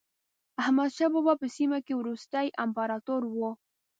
احمد شاه بابا په سیمه کې وروستی امپراتور و.